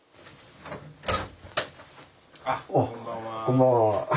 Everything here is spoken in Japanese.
・あこんばんは。